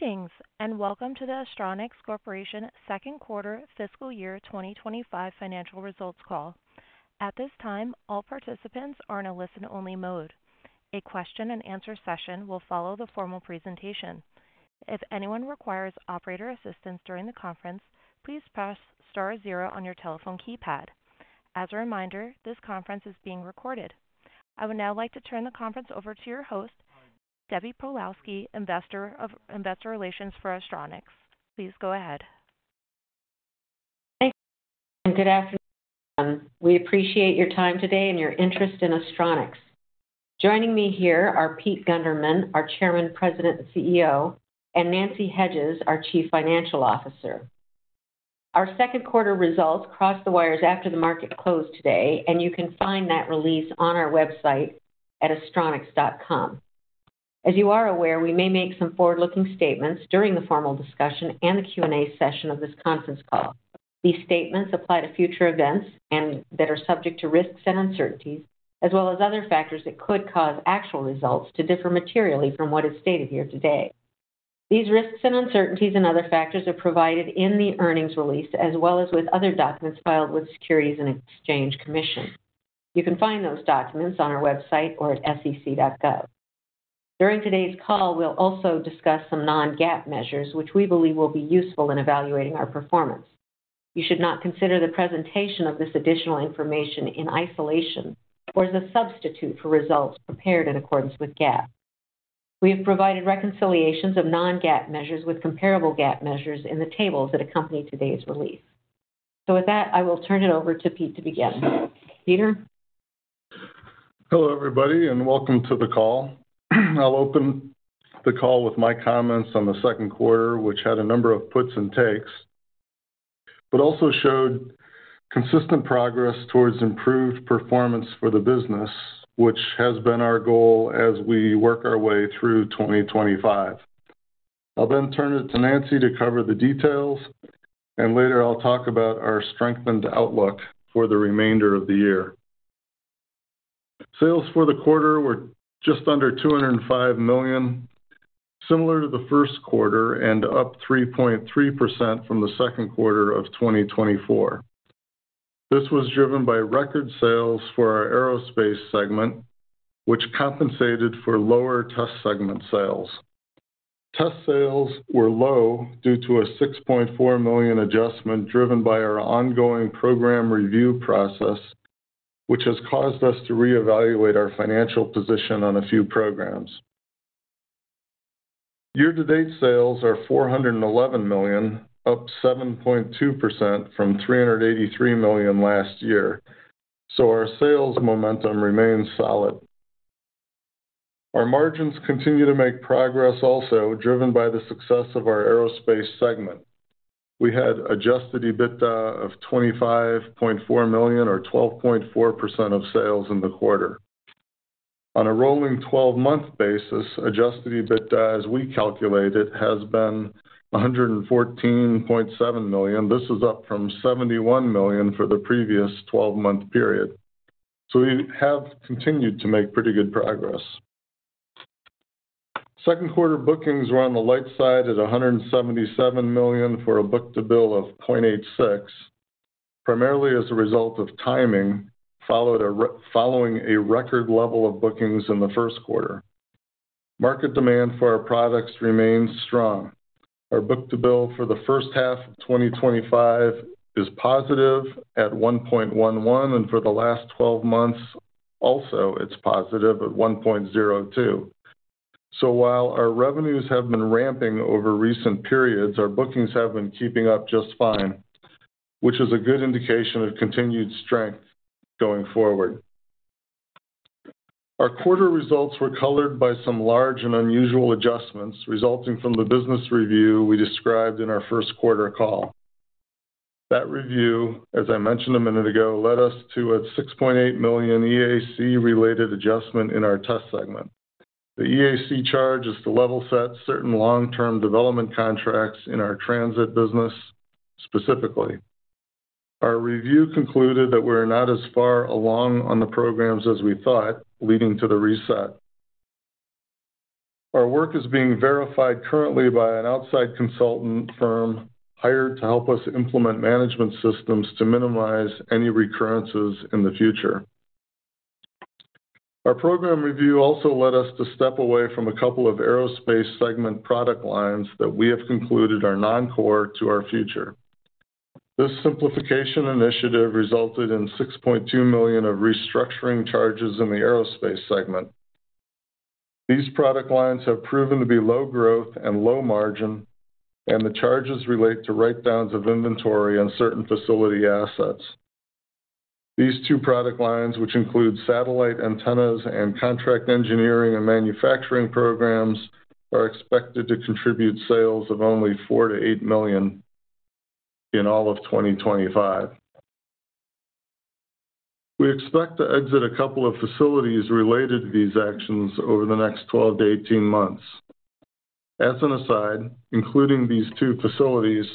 Meetings, and welcome to the Astronics Corporation second quarter fiscal year 2025 financial results call. At this time, all participants are in a listen-only mode. A question and answer session will follow the formal presentation. If anyone requires operator assistance during the conference, please press star zero on your telephone keypad. As a reminder, this conference is being recorded. I would now like to turn the conference over to your host, Deborah Pawlowski, Investor Relations for Astronics. Please go ahead. Thank you, and good afternoon. We appreciate your time today and your interest in Astronics. Joining me here are Pete Gundermann, our Chairman, President, and CEO, and Nancy Hedges, our Chief Financial Officer. Our second quarter results crossed the wires after the market closed today, and you can find that release on our website at astronics.com. As you are aware, we may make some forward-looking statements during the formal discussion and the Q&A session of this conference call. These statements apply to future events that are subject to risks and uncertainties, as well as other factors that could cause actual results to differ materially from what is stated here today. These risks and uncertainties and other factors are provided in the earnings release, as well as with other documents filed with the Securities and Exchange Commission. You can find those documents on our website or at sec.gov. During today's call, we'll also discuss some non-GAAP measures, which we believe will be useful in evaluating our performance. You should not consider the presentation of this additional information in isolation or as a substitute for results prepared in accordance with GAAP. We have provided reconciliations of non-GAAP measures with comparable GAAP measures in the tables that accompany today's release. With that, I will turn it over to Pete to begin. Peter? Hello, everybody, and welcome to the call. I'll open the call with my comments on the second quarter, which had a number of puts and takes, but also showed consistent progress towards improved performance for the business, which has been our goal as we work our way through 2025. I'll then turn it to Nancy to cover the details, and later I'll talk about our strengthened outlook for the remainder of the year. Sales for the quarter were just under $205 million, similar to the first quarter and up 3.3% from the second quarter of 2024. This was driven by record sales for our aerospace segment, which compensated for lower test segment sales. Test sales were low due to a $6.4 million adjustment driven by our ongoing program review process, which has caused us to reevaluate our financial position on a few programs. Year-to-date sales are $411 million, up 7.2% from $383 million last year, so our sales momentum remains solid. Our margins continue to make progress, also driven by the success of our aerospace segment. We had adjusted EBITDA of $25.4 million or 12.4% of sales in the quarter. On a rolling 12-month basis, adjusted EBITDA, as we calculate it, has been $114.7 million. This is up from $71 million for the previous 12-month period. We have continued to make pretty good progress. Second quarter bookings were on the light side at $177 million for a book-to-bill of $0.86, primarily as a result of timing, following a record level of bookings in the first quarter. Market demand for our products remains strong. Our book-to-bill for the first half of 2025 is positive at $1.11, and for the last 12 months, also it's positive at $1.02. While our revenues have been ramping over recent periods, our bookings have been keeping up just fine, which is a good indication of continued strength going forward. Our quarter results were colored by some large and unusual adjustments resulting from the business review we described in our first quarter call. That review, as I mentioned a minute ago, led us to a $6.8 million EAC-related adjustment in our test segment. The EAC charge is to level-set certain long-term development contracts in our transit business specifically. Our review concluded that we are not as far along on the programs as we thought, leading to the reset. Our work is being verified currently by an outside consultant firm hired to help us implement management systems to minimize any recurrences in the future. Our program review also led us to step away from a couple of aerospace segment product lines that we have concluded are non-core to our future. This simplification initiative resulted in $6.2 million of restructuring charges in the aerospace segment. These product lines have proven to be low growth and low margin, and the charges relate to write-downs of inventory and certain facility assets. These two product lines, which include satellite antennas and contract engineering and manufacturing programs, are expected to contribute sales of only $4 to $8 million in all of 2025. We expect to exit a couple of facilities related to these actions over the next 12 to 18 months. As an aside, including these two facilities,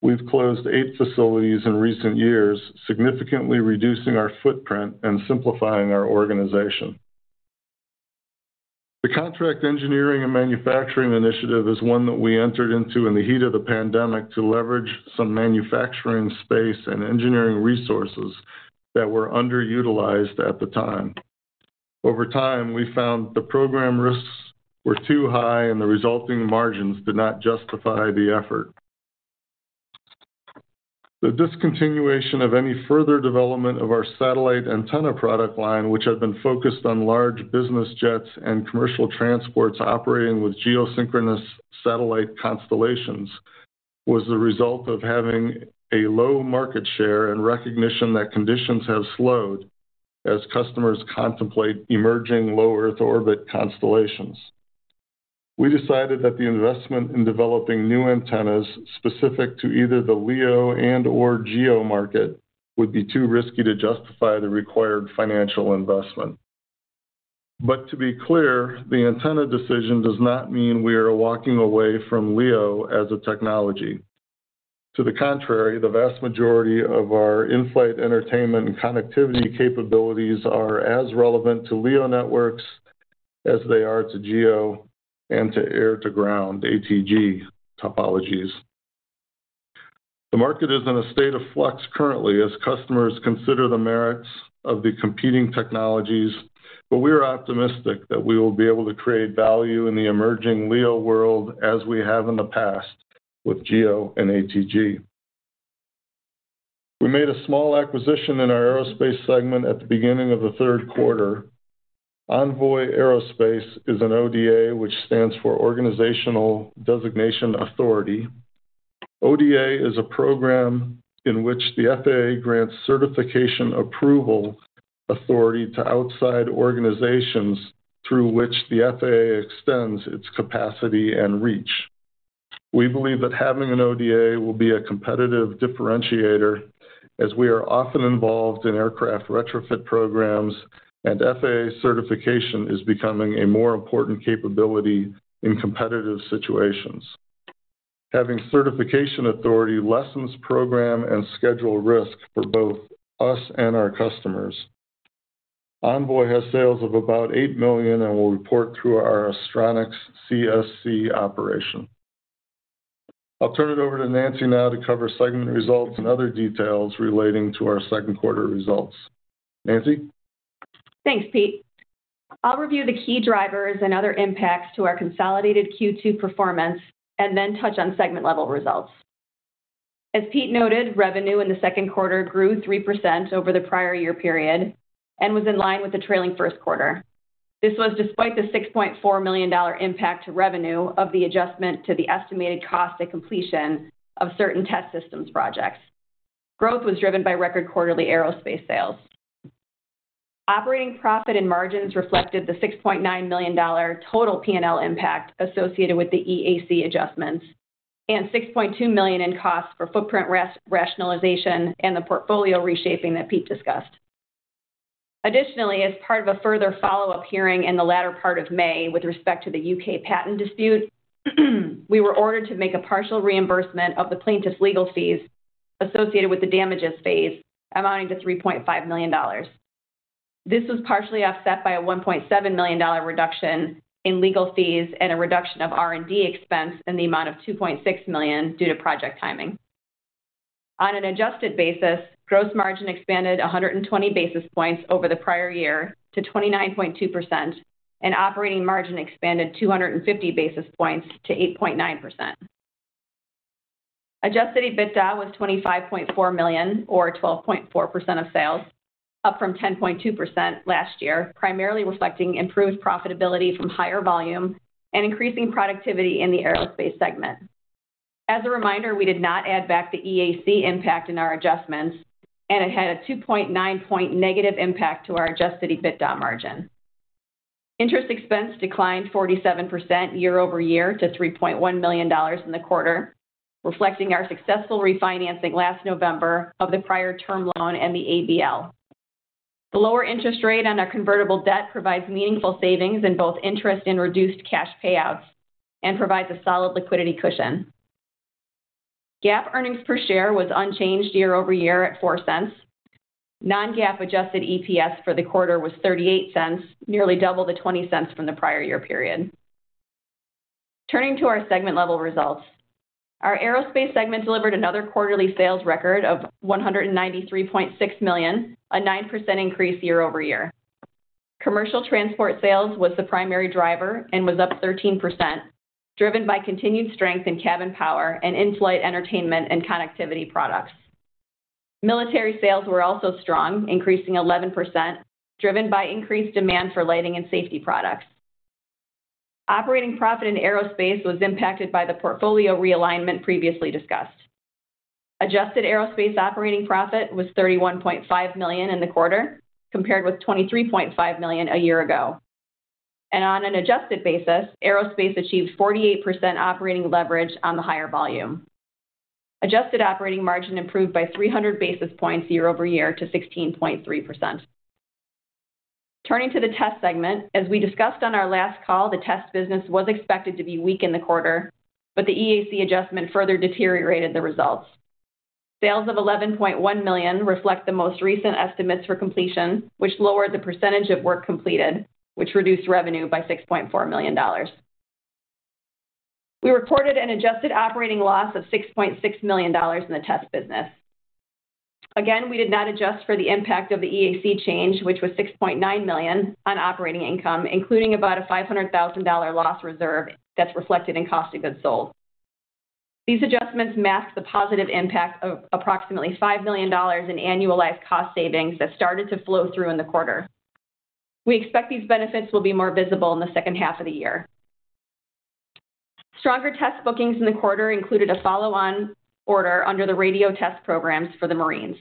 we've closed eight facilities in recent years, significantly reducing our footprint and simplifying our organization. The contract engineering and manufacturing initiative is one that we entered into in the heat of the pandemic to leverage some manufacturing space and engineering resources that were underutilized at the time. Over time, we found the program risks were too high, and the resulting margins did not justify the effort. The discontinuation of any further development of our satellite antenna product line, which had been focused on large business jets and commercial transports operating with geosynchronous satellite constellations, was the result of having a low market share and recognition that conditions have slowed as customers contemplate emerging low Earth orbit constellations. We decided that the investment in developing new antennas specific to either the LEO and/or GEO market would be too risky to justify the required financial investment. To be clear, the antenna decision does not mean we are walking away from LEO as a technology. To the contrary, the vast majority of our inflight entertainment and connectivity capabilities are as relevant to LEO networks as they are to GEO and to air-to-ground ATG topologies. The market is in a state of flux currently as customers consider the merits of the competing technologies, and we are optimistic that we will be able to create value in the emerging LEO world as we have in the past with GEO and ATG. We made a small acquisition in our aerospace segment at the beginning of the third quarter. Envoy Aerospace is an FAA Organizational Designation Authority (ODA), which stands for Organizational Designation Authority. ODA is a program in which the FAA grants certification approval authority to outside organizations through which the FAA extends its capacity and reach. We believe that having an ODA will be a competitive differentiator as we are often involved in aircraft retrofit programs, and FAA certification is becoming a more important capability in competitive situations. Having certification authority lessens program and schedule risk for both us and our customers. Envoy has sales of about $8 million and will report through our Astronics CSC operation. I'll turn it over to Nancy now to cover segment results and other details relating to our second quarter results. Nancy? Thanks, Pete. I'll review the key drivers and other impacts to our consolidated Q2 performance and then touch on segment-level results. As Pete noted, revenue in the second quarter grew 3% over the prior year period and was in line with the trailing first quarter. This was despite the $6.4 million impact to revenue of the adjustment to the estimated cost at completion of certain test systems projects. Growth was driven by record quarterly aerospace sales. Operating profit and margins reflected the $6.9 million total P&L impact associated with the EAC adjustments and $6.2 million in costs for footprint rationalization and the portfolio reshaping that Pete discussed. Additionally, as part of a further follow-up hearing in the latter part of May with respect to the UK patent dispute, we were ordered to make a partial reimbursement of the plaintiff's legal fees associated with the damages phase, amounting to $3.5 million. This was partially offset by a $1.7 million reduction in legal fees and a reduction of R&D expense in the amount of $2.6 million due to project timing. On an adjusted basis, gross margin expanded 120 basis points over the prior year to 29.2%, and operating margin expanded 250 basis points to 8.9%. Adjusted EBITDA was $25.4 million or 12.4% of sales, up from 10.2% last year, primarily reflecting improved profitability from higher volume and increasing productivity in the aerospace segment. As a reminder, we did not add back the EAC impact in our adjustments, and it had a 2.9-point negative impact to our adjusted EBITDA margin. Interest expense declined 47% year over year to $3.1 million in the quarter, reflecting our successful refinancing last November of the prior term loan and the ABL. The lower interest rate on our convertible debt provides meaningful savings in both interest and reduced cash payouts and provides a solid liquidity cushion. GAAP earnings per share was unchanged year over year at $0.04. Non-GAAP adjusted EPS for the quarter was $0.38, nearly double the $0.20 from the prior year period. Turning to our segment-level results, our aerospace segment delivered another quarterly sales record of $193.6 million, a 9% increase year over year. Commercial transport sales was the primary driver and was up 13%, driven by continued strength in cabin power and inflight entertainment and connectivity products. Military sales were also strong, increasing 11%, driven by increased demand for lighting and safety products. Operating profit in aerospace was impacted by the portfolio realignment previously discussed. Adjusted aerospace operating profit was $31.5 million in the quarter, compared with $23.5 million a year ago. On an adjusted basis, aerospace achieved 48% operating leverage on the higher volume. Adjusted operating margin improved by 300 basis points year over year to 16.3%. Turning to the test segment, as we discussed on our last call, the test business was expected to be weak in the quarter, but the EAC adjustment further deteriorated the results. Sales of $11.1 million reflect the most recent estimates for completion, which lowered the percentage of work completed and reduced revenue by $6.4 million. We reported an adjusted operating loss of $6.6 million in the test business. We did not adjust for the impact of the EAC change, which was $6.9 million on operating income, including about a $500,000 loss reserve that's reflected in cost of goods sold. These adjustments mask the positive impact of approximately $5 million in annualized cost savings that started to flow through in the quarter. We expect these benefits will be more visible in the second half of the year. Stronger test bookings in the quarter included a follow-on order under the radio test programs for the Marines.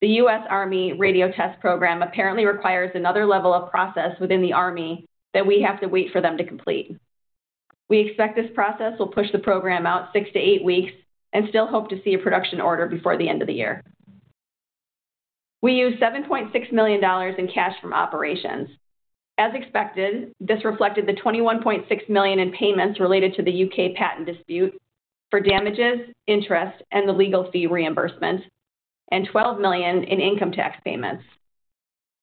The U.S. Army radio test program apparently requires another level of process within the Army that we have to wait for them to complete. We expect this process will push the program out six to eight weeks and still hope to see a production order before the end of the year. We used $7.6 million in cash from operations. As expected, this reflected the $21.6 million in payments related to the UK patent dispute for damages, interest, and the legal fee reimbursement, and $12 million in income tax payments.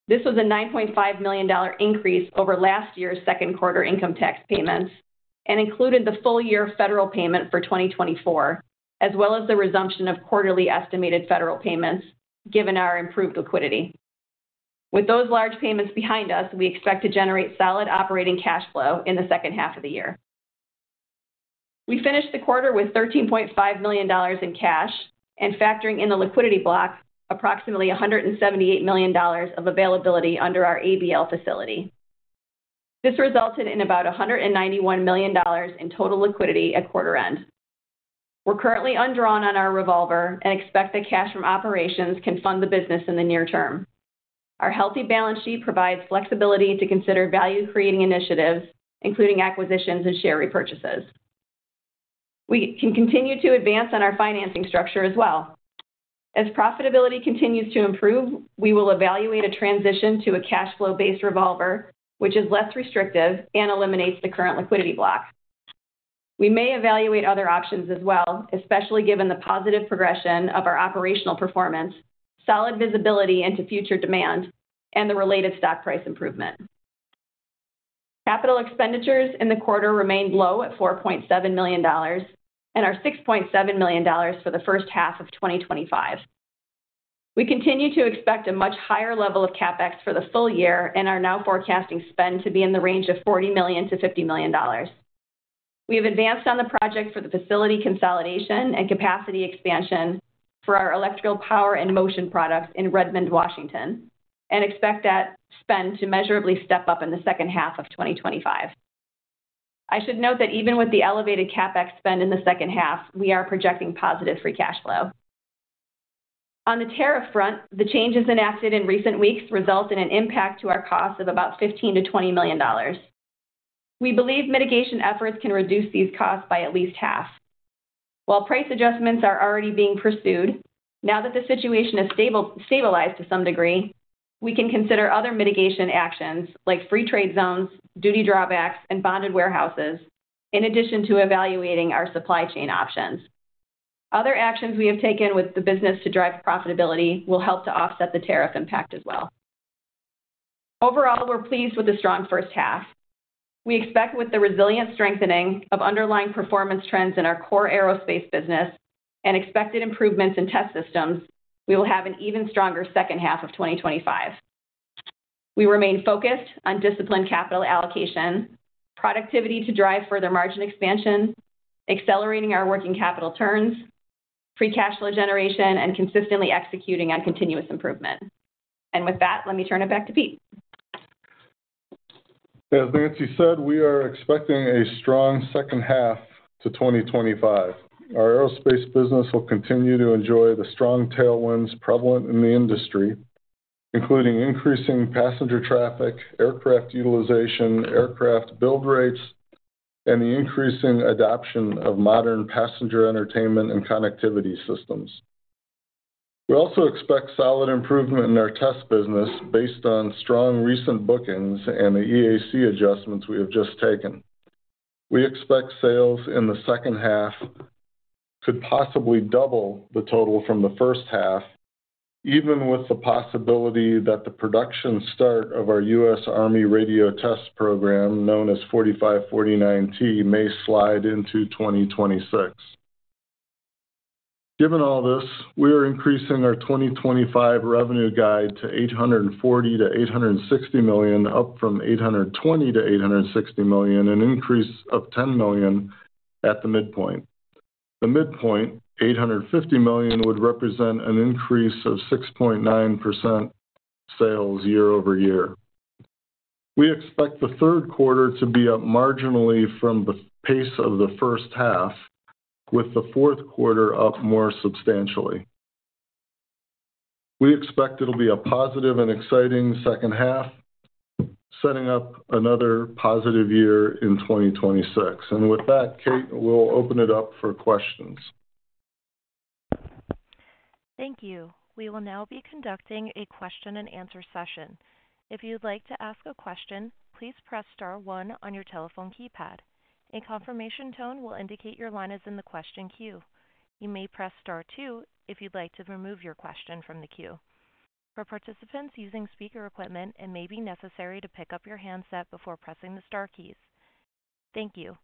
This was a $9.5 million increase over last year's second quarter income tax payments and included the full-year federal payment for 2024, as well as the resumption of quarterly estimated federal payments given our improved liquidity. With those large payments behind us, we expect to generate solid operating cash flow in the second half of the year. We finished the quarter with $13.5 million in cash and, factoring in the liquidity block, approximately $178 million of availability under our ABL facility. This resulted in about $191 million in total liquidity at quarter end. We're currently undrawn on our revolver and expect the cash from operations can fund the business in the near term. Our healthy balance sheet provides flexibility to consider value-creating initiatives, including acquisitions and share repurchases. We can continue to advance on our financing structure as well. As profitability continues to improve, we will evaluate a transition to a cash-flow-based revolver, which is less restrictive and eliminates the current liquidity block. We may evaluate other options as well, especially given the positive progression of our operational performance, solid visibility into future demand, and the related stock price improvement. Capital expenditures in the quarter remained low at $4.7 million and are $6.7 million for the first half of 2025. We continue to expect a much higher level of CapEx for the full year and are now forecasting spend to be in the range of $40 million-$50 million. We have advanced on the project for the facility consolidation and capacity expansion for our electrical power and motion products in Redmond, Washington, and expect that spend to measurably step up in the second half of 2025. I should note that even with the elevated CapEx spend in the second half, we are projecting positive free cash flow. On the tariff front, the changes enacted in recent weeks result in an impact to our costs of about $15 million-$20 million. We believe mitigation efforts can reduce these costs by at least half. While price adjustments are already being pursued, now that the situation is stabilized to some degree, we can consider other mitigation actions like free trade zones, duty drawbacks, and bonded warehouses, in addition to evaluating our supply chain options. Other actions we have taken with the business to drive profitability will help to offset the tariff impact as well. Overall, we're pleased with the strong first half. We expect with the resilient strengthening of underlying performance trends in our core aerospace business and expected improvements in test systems, we will have an even stronger second half of 2025. We remain focused on disciplined capital allocation, productivity to drive further margin expansion, accelerating our working capital turns, free cash flow generation, and consistently executing on continuous improvement. With that, let me turn it back to Pete. As Nancy said, we are expecting a strong second half to 2025. Our aerospace business will continue to enjoy the strong tailwinds prevalent in the industry, including increasing passenger traffic, aircraft utilization, aircraft build rates, and the increasing adoption of modern passenger entertainment and connectivity systems. We also expect solid improvement in our test business based on strong recent bookings and the EAC adjustments we have just taken. We expect sales in the second half could possibly double the total from the first half, even with the possibility that the production start of our U.S. Army radio test program, known as 4549T, may slide into 2026. Given all this, we are increasing our 2025 revenue guide to $840 million-$860 million, up from $820 million-$860 million, an increase of $10 million at the midpoint. The midpoint, $850 million, would represent an increase of 6.9% of sales year over year. We expect the third quarter to be up marginally from the pace of the first half, with the fourth quarter up more substantially. It will be a positive and exciting second half, setting up another positive year in 2026. With that, Kate, we'll open it up for questions. Thank you. We will now be conducting a question and answer session. If you'd like to ask a question, please press star one on your telephone keypad. A confirmation tone will indicate your line is in the question queue. You may press star two if you'd like to remove your question from the queue. For participants using speaker equipment, it may be necessary to pick up your handset before pressing the star keys. Thank you.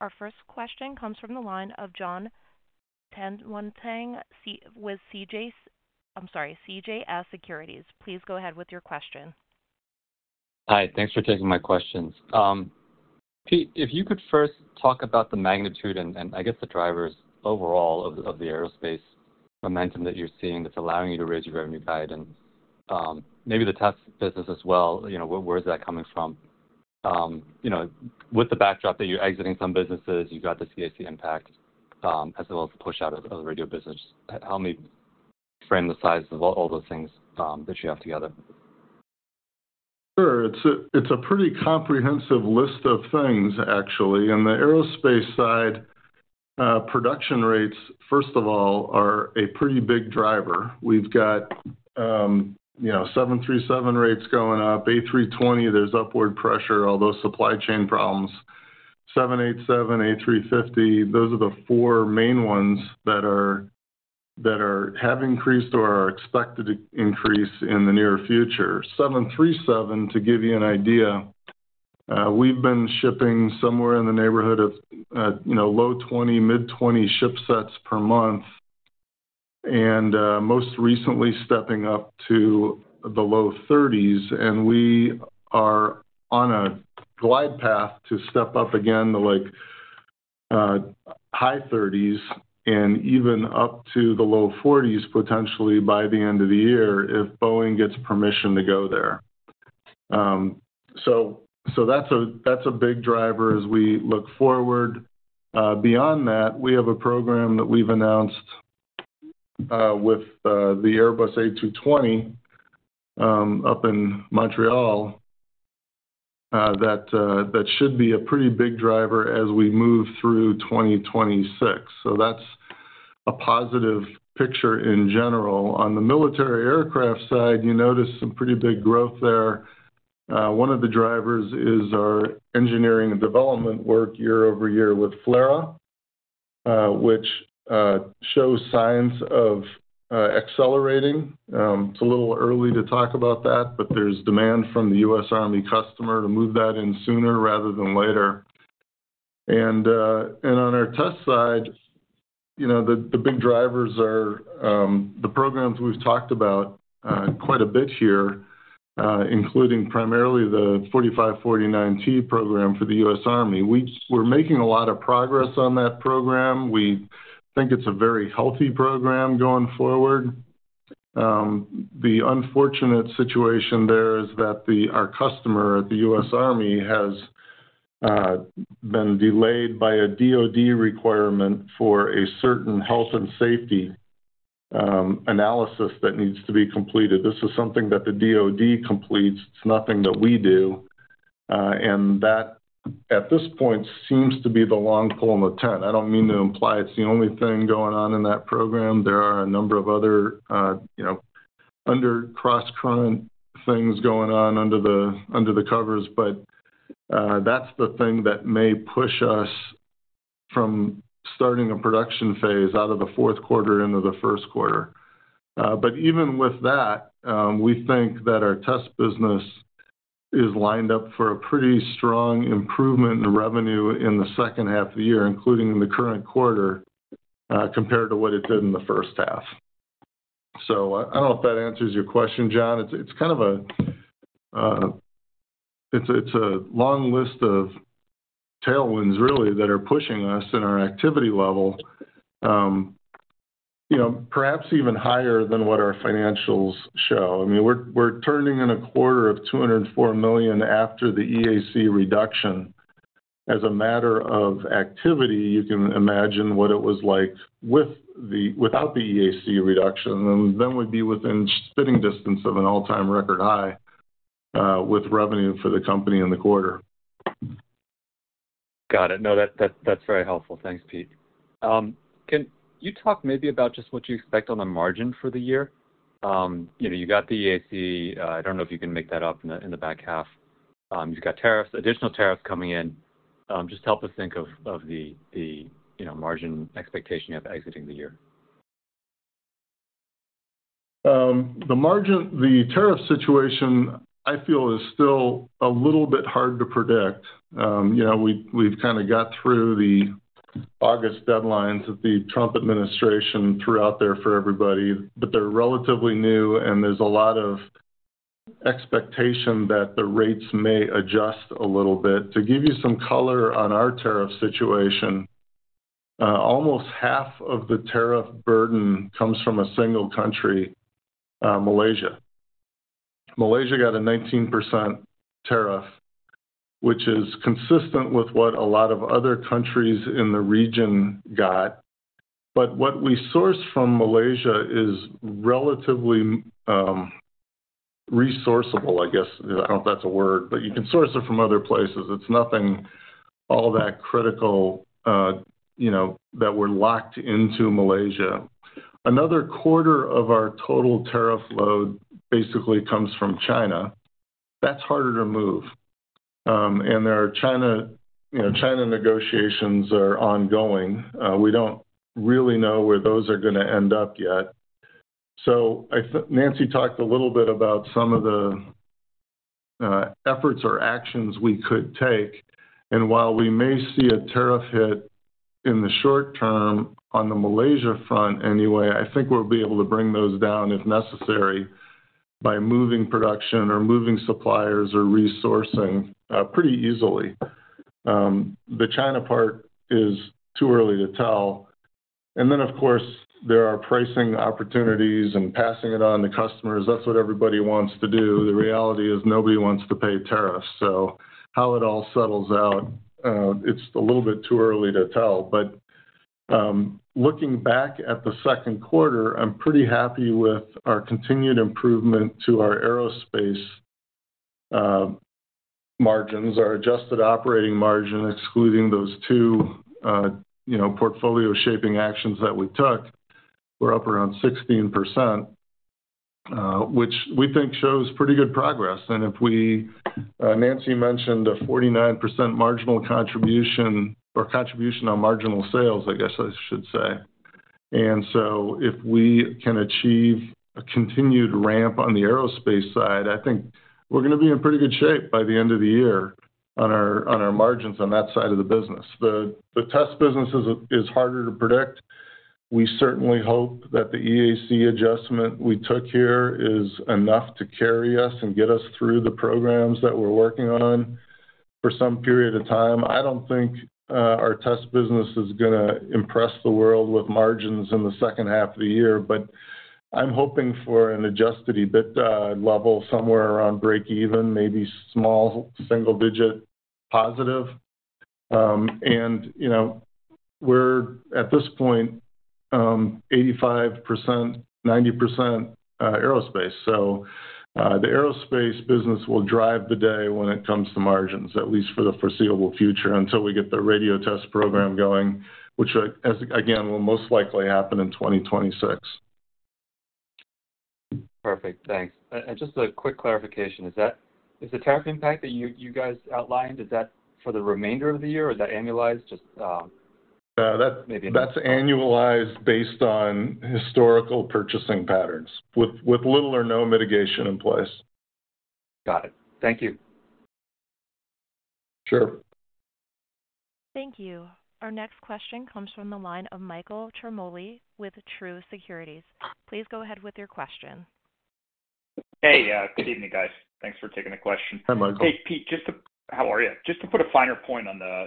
Our first question comes from the line of John Tanwanteng with CJS Securities. Please go ahead with your question. Hi, thanks for taking my questions. Pete, if you could first talk about the magnitude and I guess the drivers overall of the aerospace momentum that you're seeing that's allowing you to raise your revenue guide and maybe the test business as well, you know, where is that coming from? With the backdrop that you're exiting some businesses, you've got the CAC impact as well as the push-out of the radio business. How do you frame the size of all those things that you have together? Sure, it's a pretty comprehensive list of things, actually. On the aerospace side, production rates, first of all, are a pretty big driver. We've got, you know, 737 rates going up, A320, there's upward pressure, all those supply chain problems. 787, A350, those are the four main ones that have increased or are expected to increase in the near future. 737, to give you an idea, we've been shipping somewhere in the neighborhood of, you know, low 20, mid 20 ship sets per month, and most recently stepping up to the low 30s. We are on a glide path to step up again to like high 30s and even up to the low 40s potentially by the end of the year if Boeing gets permission to go there. That's a big driver as we look forward. Beyond that, we have a program that we've announced with the Airbus A220 up in Montreal that should be a pretty big driver as we move through 2026. That's a positive picture in general. On the military aircraft side, you notice some pretty big growth there. One of the drivers is our engineering and development work year over year with FLARA, which shows signs of accelerating. It's a little early to talk about that, but there's demand from the U.S. Army customer to move that in sooner rather than later. On our test side, the big drivers are the programs we've talked about quite a bit here, including primarily the 4549T program for the U.S. Army. We're making a lot of progress on that program. We think it's a very healthy program going forward. The unfortunate situation there is that our customer at the U.S. Army has been delayed by a DOD requirement for a certain health and safety analysis that needs to be completed. This is something that the DOD completes. It's nothing that we do. At this point, that seems to be the long pull in the tent. I don't mean to imply it's the only thing going on in that program. There are a number of other, you know, under cross-current things going on under the covers, but that's the thing that may push us from starting a production phase out of the fourth quarter into the first quarter. Even with that, we think that our test business is lined up for a pretty strong improvement in revenue in the second half of the year, including in the current quarter, compared to what it did in the first half. I don't know if that answers your question, John. It's kind of a long list of tailwinds, really, that are pushing us in our activity level, you know, perhaps even higher than what our financials show. I mean, we're turning in a quarter of $204 million after the EAC reduction. As a matter of activity, you can imagine what it was like without the EAC reduction, and then we'd be within spitting distance of an all-time record high with revenue for the company in the quarter. Got it. No, that's very helpful. Thanks, Pete. Can you talk maybe about just what you expect on the margin for the year? You know, you got the EAC, I don't know if you can make that up in the back half. You've got additional tariffs coming in. Just help us think of the margin expectation you have exiting the year. The margin, the tariff situation, I feel is still a little bit hard to predict. We've kind of got through the August deadlines that the Trump administration threw out there for everybody, but they're relatively new, and there's a lot of expectation that the rates may adjust a little bit. To give you some color on our tariff situation, almost half of the tariff burden comes from a single country, Malaysia. Malaysia got a 19% tariff, which is consistent with what a lot of other countries in the region got. What we source from Malaysia is relatively resourceable, I guess. I don't know if that's a word, but you can source it from other places. It's nothing all that critical, you know, that we're locked into Malaysia. Another quarter of our total tariff load basically comes from China. That's harder to move. China negotiations are ongoing. We don't really know where those are going to end up yet. I think Nancy talked a little bit about some of the efforts or actions we could take. While we may see a tariff hit in the short term on the Malaysia front anyway, I think we'll be able to bring those down if necessary by moving production or moving suppliers or resourcing pretty easily. The China part is too early to tell. Of course, there are pricing opportunities and passing it on to customers. That's what everybody wants to do. The reality is nobody wants to pay tariffs. How it all settles out, it's a little bit too early to tell. Looking back at the second quarter, I'm pretty happy with our continued improvement to our aerospace margins. Our adjusted operating margin, excluding those two portfolio shaping actions that we took, we're up around 16%, which we think shows pretty good progress. If we, Nancy mentioned a 49% marginal contribution or contribution on marginal sales, I guess I should say. If we can achieve a continued ramp on the aerospace side, I think we're going to be in pretty good shape by the end of the year on our margins on that side of the business. The test business is harder to predict. We certainly hope that the EAC adjustment we took here is enough to carry us and get us through the programs that we're working on for some period of time. I don't think our test business is going to impress the world with margins in the second half of the year, but I'm hoping for an adjusted EBITDA level somewhere around break even, maybe small single-digit positive. We're at this point, 85%, 90% aerospace. The aerospace business will drive the day when it comes to margins, at least for the foreseeable future until we get the radio test program going, which, again, will most likely happen in 2026. Perfect. Thanks. Just a quick clarification, is the tariff impact that you guys outlined for the remainder of the year or is that annualized? That's annualized based on historical purchasing patterns, with little or no mitigation in place. Got it. Thank you. Sure. Thank you. Our next question comes from the line of Michael Ciarmoli with Truist Securities. Please go ahead with your question. Excuse me, guys. Thanks for taking the question. Hi, Michael. Hey, Pete, how are you? Just to put a finer point on the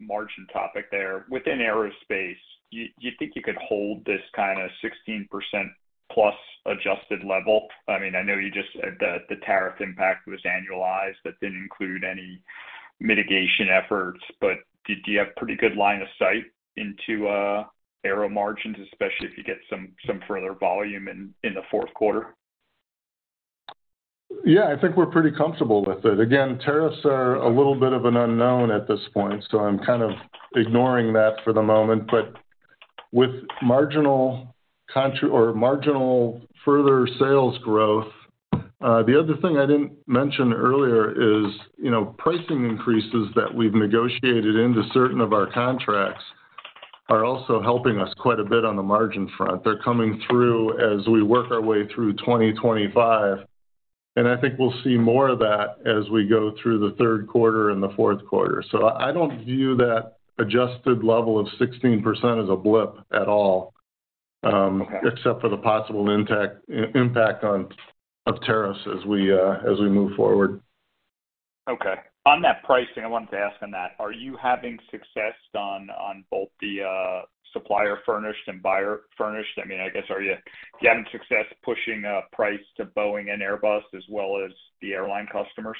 margin topic there, within aerospace, you think you could hold this kind of 16% plus adjusted level? I mean, I know you just said the tariff impact was annualized, that didn't include any mitigation efforts, but do you have a pretty good line of sight into aero margins, especially if you get some further volume in the fourth quarter? Yeah, I think we're pretty comfortable with it. Tariffs are a little bit of an unknown at this point, so I'm kind of ignoring that for the moment. With marginal or marginal further sales growth, the other thing I didn't mention earlier is, you know, pricing increases that we've negotiated into certain of our contracts are also helping us quite a bit on the margin front. They're coming through as we work our way through 2025, and I think we'll see more of that as we go through the third quarter and the fourth quarter. I don't view that adjusted level of 16% as a blip at all, except for the possible impact on tariffs as we move forward. Okay. On that pricing, I wanted to ask on that. Are you having success on both the supplier-furnished and buyer-furnished? I mean, I guess, are you having success pushing a price to Boeing and Airbus as well as the airline customers?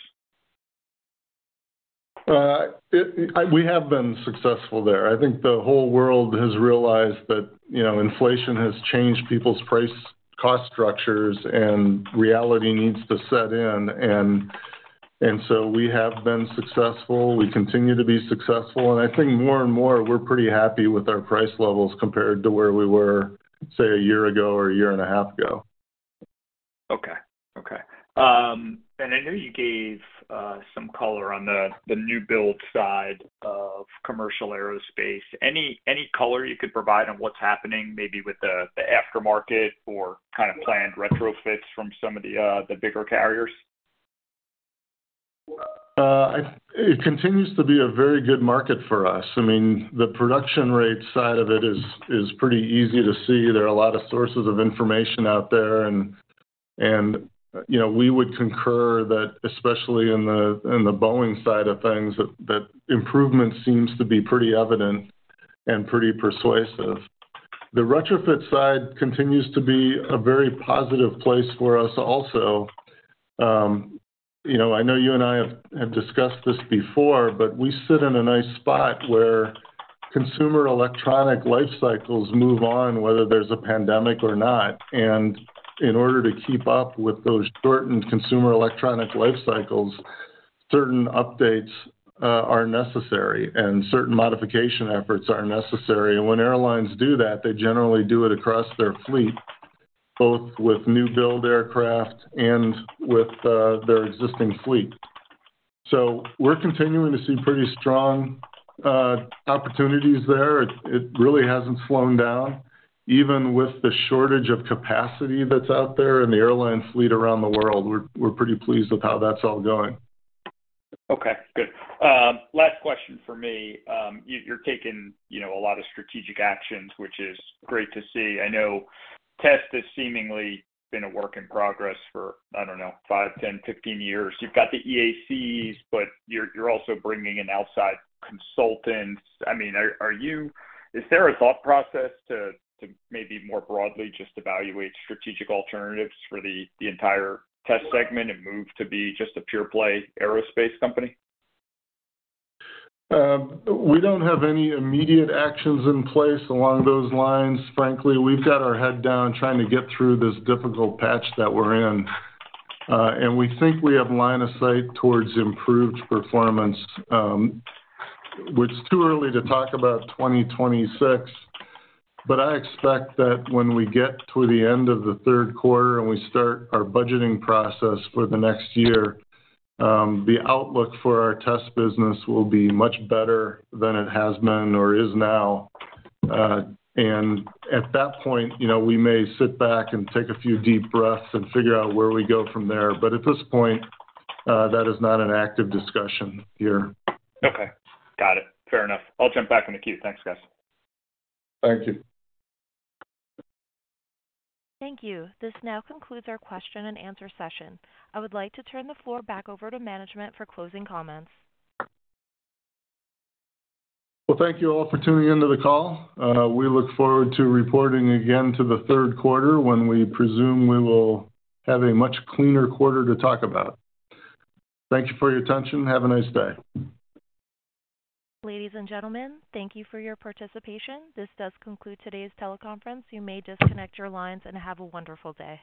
We have been successful there. I think the whole world has realized that inflation has changed people's price cost structures, and reality needs to set in. We have been successful. We continue to be successful. I think more and more, we're pretty happy with our price levels compared to where we were, say, a year ago or a year and a half ago. Okay. I know you gave some color on the new build side of commercial aerospace. Any color you could provide on what's happening, maybe with the aftermarket or kind of planned retrofits from some of the bigger carriers? It continues to be a very good market for us. I mean, the production rate side of it is pretty easy to see. There are a lot of sources of information out there. We would concur that, especially in the Boeing side of things, that improvement seems to be pretty evident and pretty persuasive. The retrofit side continues to be a very positive place for us also. I know you and I have discussed this before, but we sit in a nice spot where consumer electronic life cycles move on, whether there's a pandemic or not. In order to keep up with those shortened consumer electronic life cycles, certain updates are necessary, and certain modification efforts are necessary. When airlines do that, they generally do it across their fleet, both with new build aircraft and with their existing fleet. We're continuing to see pretty strong opportunities there. It really hasn't slowed down, even with the shortage of capacity that's out there in the airline fleet around the world. We're pretty pleased with how that's all going. Okay, good. Last question for me. You're taking, you know, a lot of strategic actions, which is great to see. I know test has seemingly been a work in progress for, I don't know, 5, 10, 15 years. You've got the EACs, but you're also bringing in outside consultants. I mean, is there a thought process to maybe more broadly just evaluate strategic alternatives for the entire test segment and move to be just a pure play aerospace company? We don't have any immediate actions in place along those lines, frankly. We've got our head down trying to get through this difficult patch that we're in. We think we have line of sight towards improved performance, which is too early to talk about 2026. I expect that when we get to the end of the third quarter and we start our budgeting process for the next year, the outlook for our test business will be much better than it has been or is now. At that point, you know, we may sit back and take a few deep breaths and figure out where we go from there. At this point, that is not an active discussion here. Okay, got it. Fair enough. I'll jump back in the queue. Thanks, guys. Thank you. Thank you. This now concludes our question and answer session. I would like to turn the floor back over to management for closing comments. Thank you all for tuning into the call. We look forward to reporting again to the third quarter when we presume we will have a much cleaner quarter to talk about. Thank you for your attention. Have a nice day. Ladies and gentlemen, thank you for your participation. This does conclude today's teleconference. You may disconnect your lines and have a wonderful day.